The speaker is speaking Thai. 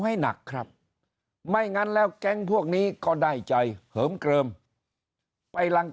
ให้หนักครับไม่งั้นแล้วแก๊งพวกนี้ก็ได้ใจเหิมเกลิมไปรัง